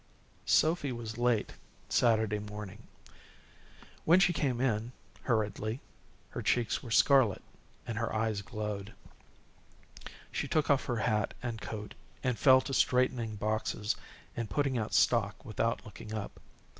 Sophy was late Saturday morning. When she came in, hurriedly, her cheeks were scarlet and her eyes glowed. She took off her hat and coat and fell to straightening boxes and putting out stock without looking up.